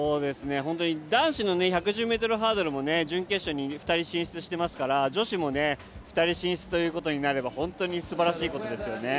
男子の１１０ｍハードルも準決勝に２人進出していますから女子も２人進出ということになれば本当にすばらしいことですよね。